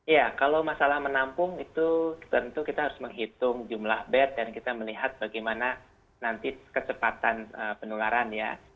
ya kalau masalah menampung itu tentu kita harus menghitung jumlah bed dan kita melihat bagaimana nanti kecepatan penularan ya